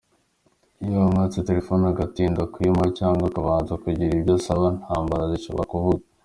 Iyo amwatse telefoni agatinda kuyimuha cyangwa akabanza kugira ibyo asiba intambara zishobora kuvuka.